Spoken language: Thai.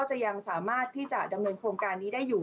จะยังสามารถที่จะดำเนินโครงการนี้ได้อยู่